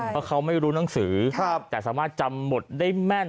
เพราะเขาไม่รู้หนังสือแต่สามารถจำหมดได้แม่น